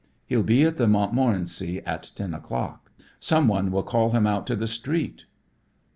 He'll be at The Montmorency at ten o'clock. Someone will call him out to the street."